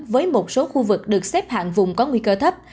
với một số khu vực được xếp hạng vùng có nguy cơ thấp